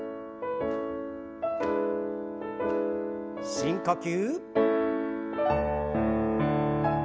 深呼吸。